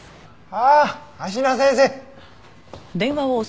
ああ芦名先生！